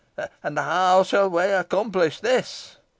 "And how shall we accomplish this?"